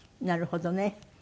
なるほどね。